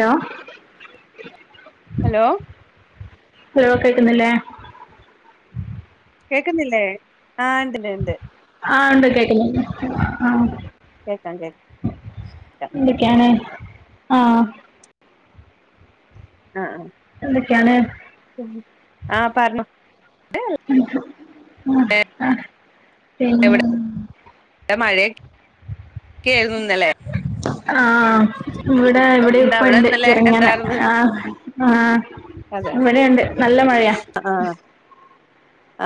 hello hello hello കേൾക്കുന്നില്ലേ കേക്കുന്നില്ലേ ആഹ് ഉണ്ട്ല്ല ഉണ്ട് ആഹ് ഉണ്ട് കേക്കുന്നുണ്ട് കേക്കാം കേക്ക എന്തൊക്കെയാണ് ആഹ് ആഹ് എന്തൊക്കെയാണ് ആഹ് പറഞ്ഞോ അഹ് ആഹ് ആഹ് പിന്നെ മഴ [inaudible] [unintelligible] ആഹ് ഇവിടെ ഇവിടെ എന്താ ഇപ്പ അവിടെ ഇണ്ട് ഇന്നലെ ചെറുങ്ങനെ എന്താർന്ന് ആഹ് ആഹ് ഇവിടെയുണ്ട് നല്ല മഴയാ ആഹ്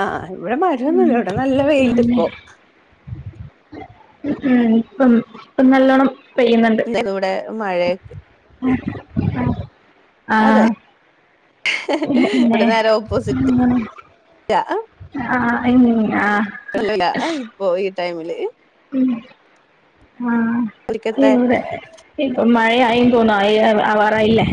ആഹ് ഇവിടെ ഉം മഴയൊന്നൂല ഇവിടെ നല്ല വെയിലിണ്ട് പിന്നെ ഇപ്പോ ഉം ഇപ്പം ഇപ്പം നല്ലോണം പെയ്യുന്നുണ്ട് ഇന്നലെ ഇവിടെ മഴ [unintelligible] അതെ ആഹ് പിന്നെ ഇവിടെ നേരെ ഓപ്പോസിറ്റ് ആഹ് ഇന്ന ആഹ് ഇപ്പൊ ഈ ടൈമില് ഉം ആഹ് ഒരിക്കത്തെ ഇപ്പൊ മഴയായി തോന്നുന്നു ആവാറായില്ലേ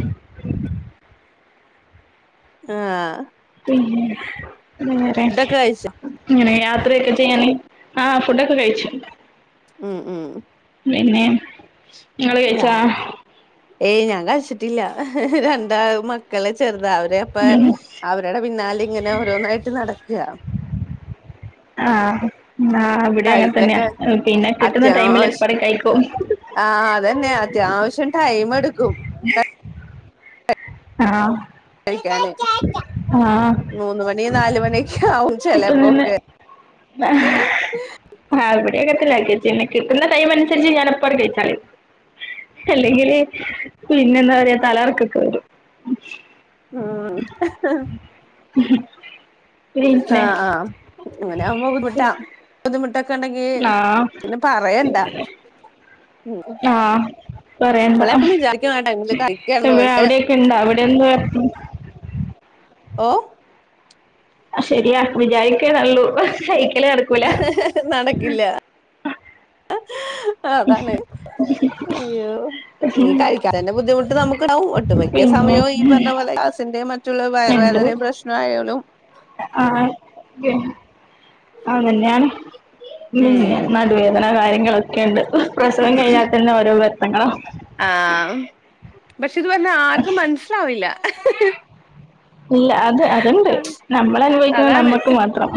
ആഹ് പിന്നെ അര കഴിച്ചോ ഇങ്ങനെ യാത്രയൊക്കെ ചെയ്യാാന് ആ ഫുഡൊക്കെ കഴിച്ചു ഉം ഉം പിന്നെ നിങ്ങള് കഴിച്ചാ ഏയ് ഞാൻ കഴിച്ചിട്ടില്ല രണ്ടാ മക്കളെ ചെറുത അവര് അവപ്പ അവരുടെ പിന്നാല ഇങ്ങനെ ഓരോന്നായിട്ട് നടക്കുക ആഹ് ആ അവിടെ അങ്ങനെ തന്നെയ കഴിക്കലൊക്കെ പിന്നെ കിട്ടുന്ന ടൈമിൽ അത്യാവശ്യ എപ്പറ കഴിക്കും ആഹ് അതന്നെയ അത്യാവശ്യം ടൈം എടുക്കും ആഹ് കഴിക്കാന് ആഹ് മൂന്ന് മണി നാല് മണിയൊക്കെ ആവും ഇപ്പ തന്നെ അഏ [unintelligible] ആഹ് ബടിം അങ്ങന് തന്നെ കിട്ടിനെ കിട്ടുന്ന ടൈമന്സര്ച്ച് ഞാനപ്പങ്ങട്ട് കയ്ച്ചറിം അല്ലെങ്കില് പിന്നെ ന്താറയാ തലർക്കൊക്കെ വരും ഉം ഉ [unintelligible] ആഹ് ആഹ് അങ്ങനെ ആവ്മ്പോ ബുദ്ധിമുട്ടാ ബുദ്ധിമുട്ടൊക്കെ ഉണ്ടെങ്കി ആഹ് പിന്നെ പറയണ്ട ആഹ് പറയണ്ടാ നമ്മളെപ്പം അഹ് വിചാരിക്കും ആ ടൈമില് കഴിക്കാന്ന് എവിടെ അവിടെൊക്കെ ഇണ്ട അവിടെ എന്ത്‌ പറയ ഓഹ് ശരിയാ വിജാരിക്കെ നല്ലൂ പക്ഷെ കയ്ക്കല് നടക്കൂല നടക്കില്ല അതാണ് അയ്യോ നീ കഴിക്കാതതിന്റെ ബുദ്ധിമുട്ട് നമുക്ക് ഉണ്ടാവും ഒട്ടുമിക്ക പിന്നെ സമയവും ഈ പറഞ്ഞ പോലെ ഗ്യാസിന്റെയും മറ്റുള്ള ഉണ്ട് വയവേദനിം പ്രശ്നം എന്നായാലും ആഹ് കെയ്ഞ്ഞു അതെന്നെയാണ് ഉം പിന്നെ ഉം നല്ല വേദന കാര്യങ്ങളൊക്കെണ്ട് പ്രസവം കഴിഞ്ഞാൽ തന്നെ ഓരോ വർത്തങ്ങള ആഹ് പക്ഷെ ഇത് പറഞ്ഞ ആർക്കും മനസിലാവില്ല ഇല്ല അത് അത്ണ്ട് നമ്മൾ അനുഭവിക്കുന്നത് അതാണ് നമ്മക്ക് മാത്രം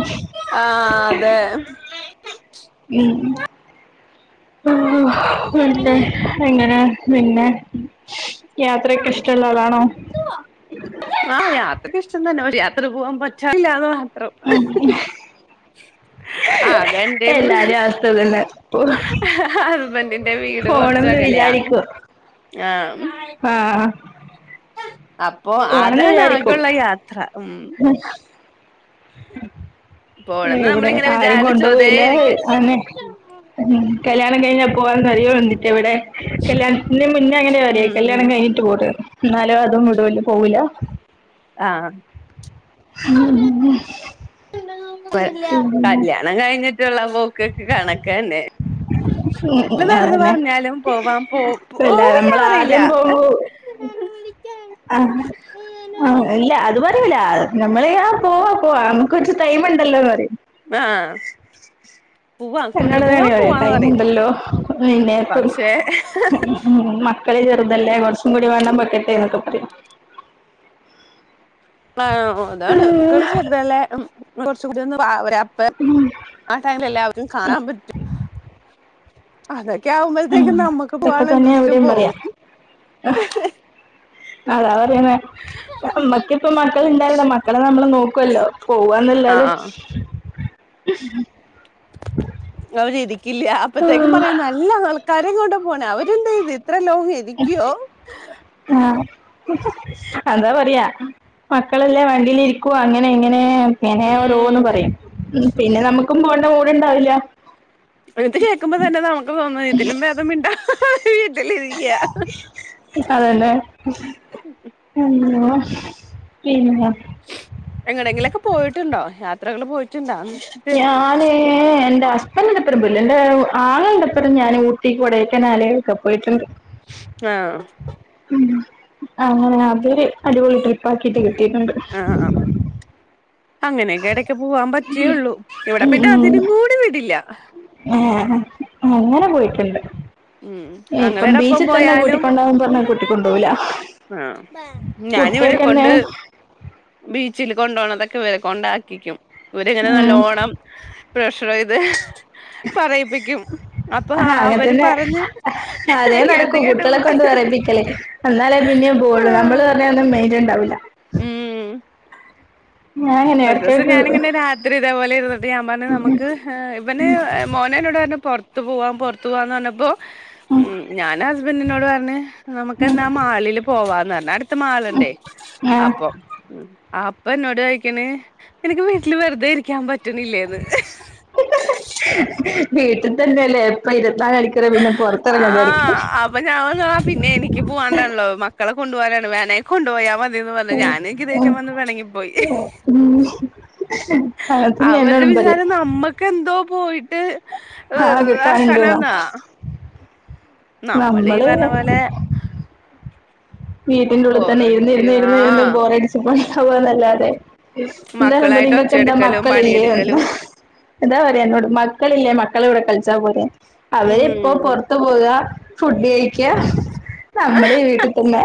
ആഹ് അതെ ഉം ഉം പിന്നെ എങ്ങനെയ പിന്നെ യാത്രയൊക്കെ ഇഷ്ടമുള്ള ആളാണോ [inaudible] ആഹ് യാത്രക്കെ ഇഷ്ടം തന്നെ പക്ഷെ യാത്ര പോകാൻ പറ്റാറില്ലാന്ന് മാത്രം ഉം ഉം [inaudible] ആഹ് അത് എല്ലാരിം അവസ്ഥ ഇതല്ലെ പോകാൻ ഹസ്ബന്റിന്റെ വീട് കൊറച്ചക്കലെയ വിചാരിക്കും ആഹ് ആഹ് അപ്പൊ അതാണ് ആകെള്ള യാത്ര ഉം ഉം പോണന്ന് ഇവിടെ നമ്മളിങ്ങനെ ആരും കൊണ്ടു വിചാരിച്ചോതേ പോയില്ല ഇരിക്ക അഹനെ ഉം കല്യാണം കഴിഞ്ഞാൽ പോവാന്ന് നെറയോണ്ടിട്ട ഇവ്ടെ കല്യാണ്ത്തി ഇതിന്റെ മുന്നേ അങ്ങനെ പറ ഉം ഉം കല്യാണം കഴിഞ്ഞിട്ട് പോട് എന്നാലോ അതും വിടൂല പോവൂല ആഹ് [unintelligible] പിന്നെ ഉം കല്യാണം കഴിഞ്ഞിട്ടുള്ള പോക്കൊക്കെ കണക്കന്നെ എത്ര ഉം നടന്ന് അതന്നെ പറഞ്ഞാലും പോവാൻ പോ അല്ല പോവില്ല നമ്മൾ പറയില്ല ആദ്യം പോകുമ്പോ [inaudible] ആഹ് ആഹ് ഇല്ല അത് പറയൂല നമ്മള് പോവാ പോവാ നമുക്ക് കൊറച്ച് ടൈം ഉണ്ടല്ലോന്ന് പറയും ആഹ് പോവാ കൊണ്ടു എന്നോട താണീ പോവാൻ പറയാ പോവാന്ന് ടൈം പറയും ഉണ്ടല്ലോ പിന്നെ പ്പോ പക്ഷേ ഉം മക്കളെ ചെറുതല്ലേ കൊറച്ചും കൂടി വണ്ണം വയ്ക്കട്ടെ എന്നൊക്കെ പറയും ആഹ് അതാണ് കുട്ടികള് ചെറുതല്ലേ കൊറച്ച് കൂടി ഒരാപ്പ ഉം ആഹ് ടൈമില് എല്ലാവർക്കും കാണാൻ പറ്റും അതൊക്കെ ആകുമ്പോഴത്തേക്കും നമ്മുക്ക് പോകാൻ ഇതൊക്കെ ഉള്ള തന്നെ ഇൻട്രസ്റ്റും ഇവിടെയും പറയാ പോകും അതാ പറയുന്നെ നമ്മക്കിപ്പ മക്കള് ഇണ്ടായിരുന്നോ മക്കളെ നമ്മള് നോക്കുവല്ലോ ആഹ് പോവുന്നല്ലാതെ- ആഹ് ഉം അവരി ഇരിക്കില്ല അപ്പഴത്തേക്കും പറയും നല്ല ആൾക്കാരെ കൊണ്ടാ പോണെ അവര് എന്ത്‌ ചെയ്ത് ഇത്ര ലോങ്- ഇയ്യോ ആഹ് അതാ പറയ്ക മക്കളെല്ലാം വണ്ടിൽ ഇരിക്കുവാ അങ്ങനെ ഇങ്ങനെ- ഏഹ് പിന്നെ ഉം ഓരോന്ന് പറയും ഉം പിന്നെ നമുക്കും പോകേണ്ട മൂട് ഇണ്ടാവില്ല ഇത് കേക്കുമ്പോ തന്നെ നമുക്ക് തോന്നും ഇതിലും ഭേദം മിണ്ട അത് തന്നെ ഉം [unintelligible] എങ്ങടെങ്കിലുമൊക്കെ പോയിട്ടുണ്ടോ യാത്രകള് പോയിട്ട- ഞാനെ - എന്റെ ഹസ്ബന്റിന്റൊപ്പം പോയിട്ടില്ല എന്റെ ആങ്ങളന്റെ ഒപ്പോം ഞാന് ഊട്ടി കൊടേക്കനാല് ഒക്കെ പോയിട്ട്ണ്ട് ആഹ് ഉം അങ്ങനെ അതൊര് അടിപൊളി ട്രിപ്പാക്കിട്ട് കിട്ടിട്ട്ണ്ട് ആഹ് അങ്ങനെയൊക്കെ എടയ്ക്ക് പോവാൻ പറ്റിയുള്ളു ഇവിടെ പിന്നെ അതിനും കൂടി വിടില്ല ആഹ് അങ്ങനെ പോയിട്ട്ണ്ട് ആങ്ങളെടൊപ്പം പോയാലും പറഞ്ഞ കൂട്ടിക്കൊണ്ടോവൂല ആഹ് ഞാനിവരെ കുട്ടിയൊക്കെന്നെ കൊണ്ട്- ബീച്ചല് കൊണ്ടോണതൊക്കെ ഇവരെ കൊണ്ടാക്കിക്കും ഇവരിങ്ങനെ ഉം നല്ലോണം- പ്രഷറെയ്ത് പറയിപ്പിക്കും അപ്പൊ ആഹ് അവര്- അങ്ങൻത്തന്നെ പറഞ്ഞ് അതേ അത് നടക്കൂ കുട്ടികളെ കേട്ടപ്പോ കൊണ്ട് പറയിപ്പിക്കലേ എന്നാലേ പിന്നെ പോവുള്ളൂ ആഹ് നമ്മള്- അയിനൊന്നും നേരവുണ്ടാവില്ല ഉം ഞാൻ അങ്ങനെ ഒരു ദിവസം ഇടക്കൊക്കെ ഞാനിങ്ങനെ രാത്രി ഇതേപോലെ ഇരുന്ന്ട്ട് ഞാൻ പറഞ്ഞു നമുക്ക്- ഇവന് മോന് എന്നോട് പറഞ്ഞു പൊറത്ത് പോവാം പൊറത്ത് പോവാന്ന് പറഞ്ഞപ്പോ ഉം ഞാന് ഹസ്- ഹസ്ബന്റിനോട് പറഞ്ഞ് നമുക്കെന്നാ മാളില് പോവാന്ന് പറഞ്ഞ് അട്- മാള് ഇണ്ടേ ആഹ് അപ്പം അപ്പെന്നോട് ചോയിക്കും ക്കണ് നിനക്ക് വീട്ടില് വെറുതെ ഇരിക്കാൻ പറ്റ്ണില്ലേന്ന് വീട്ടിതന്നെ അല്ലേ എപ്പ ഇരുപത്തിനാല് മണിക്കൂറും പിന്നെ പൊറത്തെറങ്ങാന്ന് വിചാരിക്കും അപ്പ ഞാന്നാ പിന്നെ എനിക്ക് പോവാണ്ടാണല്ലോ മക്കളെ കൊണ്ട് പോകാനാണ് വേണെ കൊണ്ട് പോയമതി ന്ന് പറഞ്ഞ് ഞാന് എനിക്ക് ദേഷ്യം വന്ന് പെണങ്ങിപ്പോയി ഉം അത് ഇനി എന്നോട് വന്ന് പറയും എന്തോ പോയിട്ട് ആ കിട്ടാനുണ്ട് ആക്കാനാന്നാ നമ്മള് ഈ പറഞ്ഞ പോലെ- വീട്ടിന്റ ഉള്ളിതന്നെ ബോറടിച്ച് ഇരിന്നിരുന്ന് ഇരുന്ന് ആഹ് ബോറടിച്ച് പോവ്ണ്ടാവന്നല്ലാതെ എന്താണെ [unintelligible] ന്തോളീ മക്കളായിട്ട് ഇങ്ങക്കെന്താ ഒച്ചെടുക്കലും മക്കളില്ലേ എന്ന് പണിയെടുക്കലും ഇതാ പറയാ എന്നോട് മക്കളില്ലേ മക്കളെകൂടെ കളിച്ചാ പോരേന്ന് അവരിപ്പൊ ഉം പൊറത്ത് പോകുക ഫുഡ് കയിക്ക നമ്മളീ വീട്ടി- പിന്നെ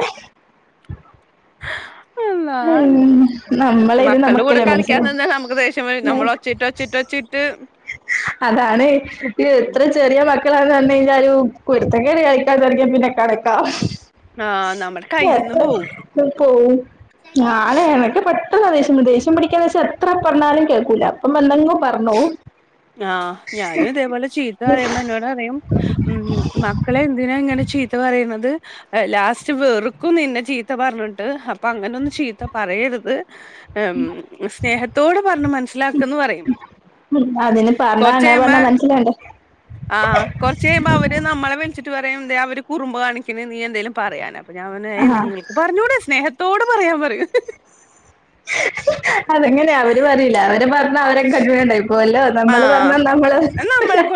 അള്ളാഹ് ഉം നമ്മളെ ഇത് മക്കൾടെകൂടെ നമുക്കല്ലേ കളിക്കാൻ നിന്നാ മനസ്സിലാവു നമുക്ക് ദേഷ്യം വരും നമ്മളൊച്ചയിട്ടൊച്ചയിട്ടൊച്ചയിട്ട് ട്ട് അതാണ് എത്ര ചെറിയ മക്കളാന്ന് പറഞ്ഞ് കയിഞ്ഞാലും കുരുത്തക്കേട് കാണിക്കാന്തൊടങ്ങിയാ പിന്നെ കണ ക്കാ ആഹ് നമ്മുടെ കയ്യിന്ന് പോവും എത്ര പോവും ഞാനെ എനക്ക് പെട്ടെന്നാ ദേഷ്യം വരുന്നത് ദേഷ്യം പിടിക്കാന്നെച്ചാ എത്ര പറഞ്ഞാലും കേക്കൂല മ്പെന്തെങ്ങിലും പറഞ്ഞോവും ഉപ്പ പറയും മക്കളെ എന്തിനാ ഇങ്ങനെ ചീത്ത പറയുന്നത് ലാസ്റ്റ് വെറുക്കും നിന്നെ ചീത്ത പറഞ്ഞിട്ട് അപ്പൊ അങ്ങനൊന്നും ചീത്ത പറയരുത് സ്നേഹത്തോട് പറഞ്ഞ് മനസ്സിലാക്ക്ന്ന് പറയും ഉം അതിന് പറഞ്ഞാ കൊറച്ച് അങ്ങനെ കഴിയുമ്പോ പറഞ്ഞാ മനസ്സിലാകണ്ടേ ആഹ് കൊറച്ച് കഴിയുമ്പം അവര് നമ്മളെ വിളിച്ചിട്ട് പറയും ദേ അവര് കുറുമ്പ് കാണിക്ക്ന്ന് നീ എന്തെലും പറയാന് പ്പൊ ഞാൻപറഞ്ഞു ഏ ആഹ് നിങ്ങൾക്ക് പറഞ്ഞൂടെ സ്നേഹത്തോടെ പറയാൻ പറയും അതങ്ങനെയാ അവര് പറയില്ല അവര് പറഞ്ഞാ അവരെക്കന്വേണ്ടായിപ്പോവല്ലോ നമ്മള് പറഞ്ഞാ നമ്മള്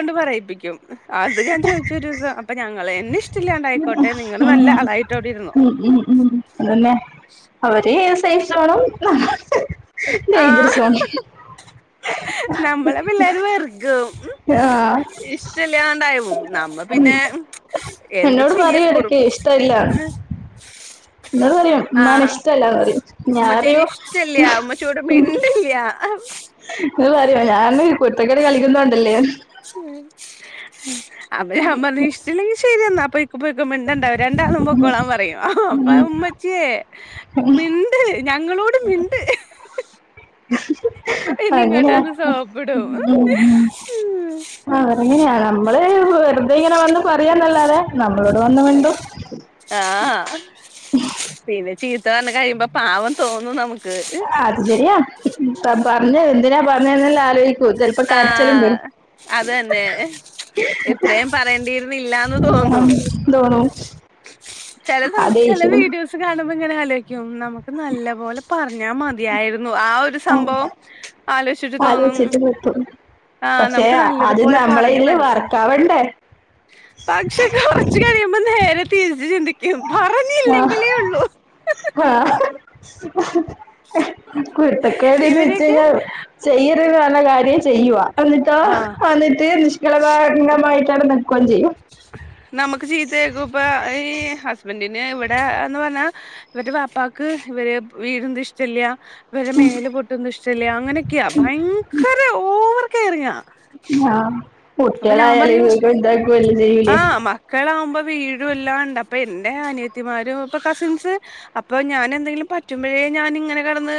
ട് പറയിപ്പിക്കും അത് ഞാൻ ചോദിച്ചൊരൂസം അപ്പൊ ഞങ്ങളെ എന്നെ ഇഷ്ടില്ലാണ്ടായിക്കോട്ടെ നിങ്ങള് നല്ല ഉം ആളായിട്ടവിടിരുന്നോ ഉം ഉം ഉം അതന്നെ അവര് സേഫ് സോണും നമ്മള് ഡെയ്ഞ്ചർ ആഹ് സോണും നമ്മളെ പിള്ളേര് വെറുക്കും ആഹ് ഇഷ്ടില്ലാണ്ടായ് വും നമ്മ പിന്നെ എന്ത് ചെയ്യാ കുറു ട്ടല്ല എന്നോട് പറയും ആഹ് ഉമ്മാനിഷ്ടല്ലാന്ന് പറയും ഞാൻ ഉമ്മച്ചീനെ അറിയോ ഇഷ്ടില്യ ഉമ്മച്ചിയോട് മിണ്ടില്യ ഇങ്ങനെ പറയും ഞാൻ കുരുത്തക്കേട് കളിക്കുന്നോണ്ടല്ലേ അപ്പോ ഞാൻ പറഞ്ഞ് ഇഷ്ടമില്ലെങ്കി ശരിയെന്ന അപ്പ പൊയ്ക്കോ മിണ്ടണ്ടാ രണ്ടാളും പൊക്കോളാൻ പറയും അപ്പ ഉമ്മച്ചിയെ ഉം ഞങ്ങളോട് മിണ്ട് പിന്നെ ഇങ്ങോട്ട് അങ്ങനെയാ വന്ന് സോപ്പിടും ആഹ് അതെങ്ങനെയാണ് നമ്മള് വെറുതെ ഇങ്ങനെ വന്ന് പറയാന്നല്ലാതെ നമ്മളോട് വന്നു മിണ്ടും [unintelligible] ആഹ് പിന്നെ ചീത്ത പറഞ്ഞ് കഴിയുമ്പോ പാവം തോന്നും നമുക്ക് അത് ശരിയാ ഇപ്പ പറഞ്ഞത് എന്തിനാ പറഞ്ഞേന്നെല്ലാ ആലോചി ആഹ് അത് തന്നെ ഇത്രയും പറയേണ്ടിയിരുന്നില്ലാന്ന് തോന്നും ഉം, തോന്നും ചെല സമയത്ത് അതേ ചെല ശരി വീഡിയോസ് സ് കാണുമ്പോ ഇങ്ങനെ ആലോചിക്കും നമുക്ക് നല്ല പോലെ പറഞ്ഞാ മതിയായിരുന്നു ആ ഒര് രു സംഭവം ആലോചിച്ചിട്ട് തോന്നും ആലോചിച്ചിട്ട് കിട്ടും ആഹ് പക്ഷെ നമുക്ക് അത് നല്ലതുപോലെ നമ്മളെ പറഞ്ഞു ഇതില് മനസ്സിലാക് വർക്കാവണ്ടേ പക്ഷെ കൊറച്ച് കഴിയുമ്പോൾ നേരെ തിരിച്ച് ചിന്തിക്കും പറഞ്ഞില്ലെങ്കിലേ ഉള്ളൂ വാ കുരുത്തക്കേട്ന്ന് വെച്ച് ഇവരൊക്കെ കഴിഞ്ഞാൽ ചെയ്യരുത് ന്ന് പറഞ്ഞ കാര്യം ചെയ്യുവ എന്നിട്ടോ ആഹ് വന്നിട്ട് നിഷ് കളങ്കമായിട്ടങ്ങനെ നിക്ക്വേം ചെയ്യും നമുക്ക് ചീത്ത കേക്കും ഇപ്പൊ ഈ ഹസ്ബൻഡിന് ഇവിടെ എന്ന് പറഞ്ഞാ ഇന്നെട്ട് വാപ്പാക്ക് ഇവരെ [unintelligible] ഇഷ്ടല്ല ഇവരെ മേല് പൊട്ടൊന്നും ഇഷ്ടല്ല അങ്ങനെയൊക്ക്യാ ഭയങ്കര ഓവർ കെയറിങ്ങാ ആഹ് അപ്പൊ ഞാൻ കുട്ട്യേളായാല് പറയും വീകും ഇതാക്കും എല്ലം ചെയ്യൂലേ ആഹ് മക്കളാവുമ്പോ വീഴും എല്ലാണ്ട് അപ്പൊ എന്റെ അനിയത്തിമാരും ഇപ്പൊ കസിൻസ് അപ്പൊ ഞാന് എന്തെങ്കിലും പറ്റുമ്പഴേ ഞാന് ഇങ്ങനെ കടന്ന്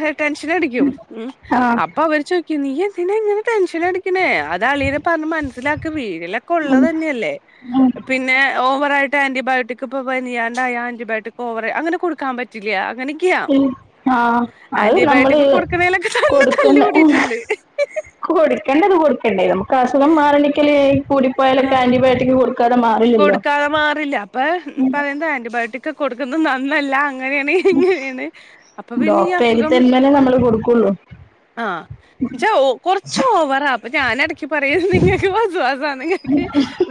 ഹേ ടെൻഷനടിക്കും ഉം ആഹ് അപ്പൊ അവര് ചോയിക്കും നീ എന്തിനാ ഇങ്ങനെ ടെൻഷനടി ക്ക്ണെ അത് അളിയനെ പറഞ്ഞ് മനസ്സിലാക്ക് വീഴലൊക്കെ ഉം ഉള്ളത് തന്നെയല്ലേ ഉം പിന്നെ ഓവറായിട്ട് ആന്റിബയോട്ടിക് ഇപ്പൊ പനിയാണ്ടായ ആന്റിബയോട്ടിക് ഓവറ് അങ്ങനെ കൊട്ക്കാ പ റ്റില്ല അങ്ങനെയൊക്ക്യാ ഉം ആഹ് അത് നമ്മള് ആന്റിബയോട്ടിക് കൊട്ക്ക്ണേലൊക്കെ നല്ല തല്ല് കൂടീട്ട്ണ്ട് കൊട്ക്കേണ്ടത് കൊട്ക്കേണ്ടേ നമുക്ക് അസുഖം മാറണ്ടിക്കല് കൂടിപ്പോയാലൊക്കെ ആന്റിബയോട്ടിക് കൊട് [unintelligible] മാറി കൊട്ക്കാതെ മാറില്ല അപ്പൊ പറയുന്നത് ആന്റിബയോട്ടിക്ക് കൊട്ക്കുന്ന നന്നല്ല അങ്ങന്യാണ്‌ ഇങ്ങന്യാണ്‌ അപ്പൊ പിന്നെ ഈ അസുഖം വന്ന ക്കൊള്ളൂ ആഹ് ന്ന്ച്ചാ കുറച്ച് ഓവറാ അപ്പം ഞാനെട ക്ക് പറയും നിങ്ങക്ക് വസ്‌വാസാന്ന് നിങ്ങക്ക്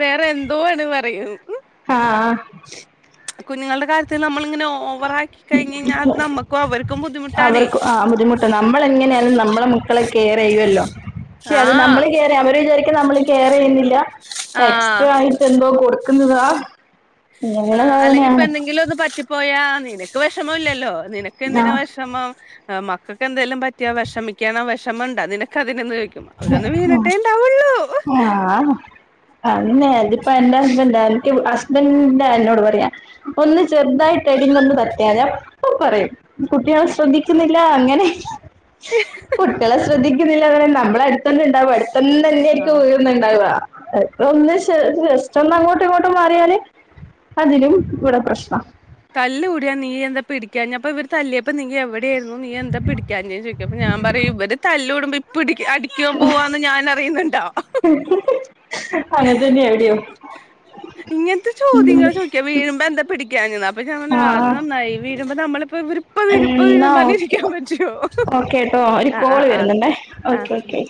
വേറെ എന്തോ ആണ് പറയും ആഹ് കുഞ്ഞുങ്ങള്ടെ കാര്യത്തില് നമ്മള്ങ്ങനെ ഓവറാ കഴിഞ്ഞഴിഞ്ഞാ അത് നമ്മക്കും അവർക്കും ബുദ്ധിമുട്ടാണെ ഇപ്പ നമ്മള് എങ്ങനെയാലും നമ്മളെ മക്കളെ കെയറെയ്യൊല്ലോ കെ അത് നമ്മള് ആഹ് കെയറ് അവ ര് വിചാരിക്കും നമ്മള് കെയറെയ്യുന്നില്ല ആഹ് എക്സ്ട്രാ ആയിട്ട് എന്തോ കൊട്ക്കുന്നതാ ആഹ് അല്ലെങ്കി ഇപ്പന്തെങ്കിലൊന്ന് പറ്റി പോയാ നിനക്ക് വെഷമല്ലല്ലോ നിനക്ക് ആ എന്തിനാ വെഷമം മക്കക്കേന്തേലും പറ്റിയാ വെഷമിക്കണോ വെഷമണ്ടോ നിനക്കതിനെന്ന് ചോയിക്കും അവരൊന്ന് വീണ്‌ട്ടെണ്ടാവൊള്ളൂ ആഹ് അതെന്നെ ഇതിപ്പ എന്റെ ഹസ്ബന്റാ ഹസ്ബൻന്റെ എന്നോട് പറയാ ഒന്ന് ചെറ്തായിട്ട് എടേങ്കിയോന്ന് തട്ടിയാതി അപ്പം പറയും കുട്ട്യേളെ ശ്രദ്ധിക്കുന്നില്ല അങ്ങനെ കുട്ട്യേളെ ശ്രദ്ധിക്കുന്നില്ല അങ്ങനെ നമ്മള് അട്ത്തന്നെണ്ടാവ അട്ത്തന്നെന്ന്യായിരിക്കും ആഹ് വീഴ്ന്ന്ണ്ടാവ അതൊന്ന് ജസ് ജസ്റ്റൊന്നങ്ങോ ട്ട് ഇങ്ങോട്ടും മാറിയാല് അതിലും ഇവടെ പ്രശ്നാ തല്ല് കൂടിയാ നീ എന്താ പിടിക്കാഞ്ഞ അപ്പ ഇവർ തല്ലിയപ്പോ നീ എവിടെയായിരുന്നു നീ എന്താ പിടിക്കാഞ്ഞേ ചോയിക്കും അപ്പ ഞാ പറയും ഇവര് തല്ലൂടുമ്പോ പിടി അടി ക്ക്യാൻ പോവാന്ന് ഞാന് അറിയുന്നുണ്ടോ അങ്ങനെ തന്നെ എവിടെയോ ഇങ്ങനത്തെ ഉം ചോദ്യങ്ങളാ ചോയിക്ക വീഴുമ്പോ എന്താ പിടിക്കാഞ്ഞെ അപ്പ ഞാൻ പറഞ്ഞ് അത് ആഹ് നന്നായി വീഴ്മ്പോ നമ്മളിപ്പ ഇവര് ഇപ്പ വീഴും ഇപ്പ എന്നാ വീഴും ഓക്കെ പറഞ്ഞിരിക്കാൻ പറ്റൊ ഓക്കെ ട്ടോ ഒര് കോള് വെര്ന്ന്ണ്ടേ ആഹ് ഓക്കേ ഓക്കെ